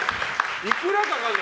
いくらかかるの？